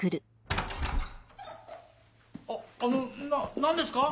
あっあのな何ですか？